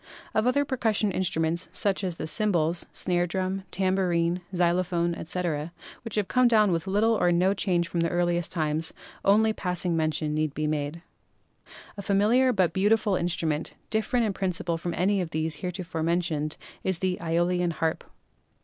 Of other percussion instruments, such as the cymbals, snare drum, tambourine, xylophone, etc., which have come down with little or no change from the earliest times, onl^ passing mention need be made. A familiar but very beautiful instrument, different sm principle from any of those heretofore mentioned, is the ^Eolian harp.